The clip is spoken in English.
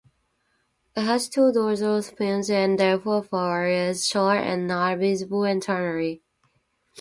It has two dorsal spines and the photophore is short and not visible externally.